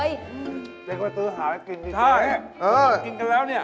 รู้หละ